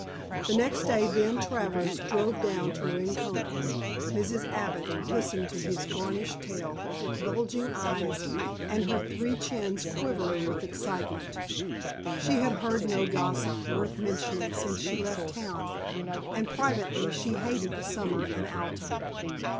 The next day Ben Travers drove down to Rincona. Mrs. Abbott listened to his garnished tale with bulging eyes and her three chins quivering with excitement. She had heard no gossip worth mentioning since she left town, and privately she hated the summer and Alta.